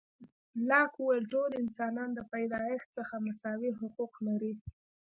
لاک وویل، ټول انسانان د پیدایښت څخه مساوي حقوق لري.